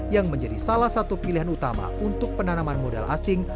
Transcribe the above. yang menjadi salah satu pilihan utama untuk penanaman modal asing